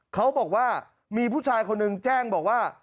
เขาบอกว่ามีผู้ชายคนหนึ่งแจ้งบอกว่า